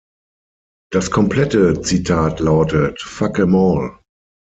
Das komplette Zitat lautet: "Fuck ’em all.